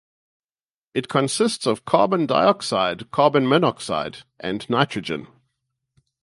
It consists of carbon dioxide, carbon monoxide and nitrogen.